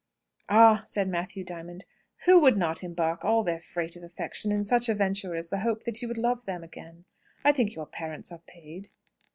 "Ah!" said Matthew Diamond; "who would not embark all their freight of affection in such a venture as the hope that you would love them again? I think your parents are paid."